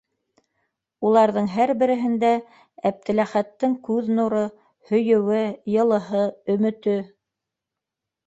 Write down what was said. Уларҙың һәр береһендә Әптеләхәттең күҙ нуры, һөйөүе, йылыһы, өмөтө...